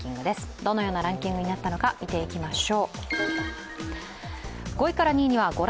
どのようなランキングになったのか、見ていきましょう。